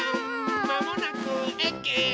まもなくえき。